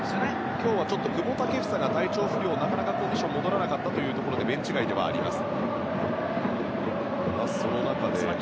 今日は久保建英が体調不良でコンディションが整わなかったということでベンチ外ではあります。